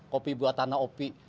kopi buatan nah opi